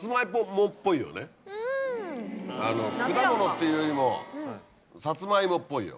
果物というよりもサツマイモっぽいよ。